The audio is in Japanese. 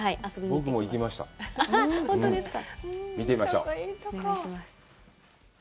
見てみましょう！